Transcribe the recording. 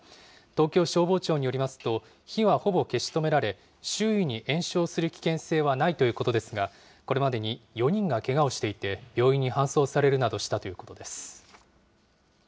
東京消防庁によりますと、火はほぼ消し止められ、周囲に延焼する危険性はないということですが、これまでに４人がけがをしていて、病院に搬送されるなどしたということです。